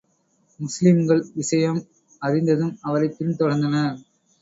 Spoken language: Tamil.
முஸ்லிம்கள் விஷயம் அறிந்ததும் அவரைப் பின் தொடர்ந்தனர்.